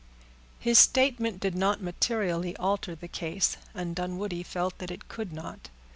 His statement did not materially alter the case, and Dunwoodie felt that it could not.